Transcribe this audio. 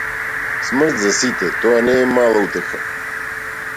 Смрт за сите тоа не е мала утеха.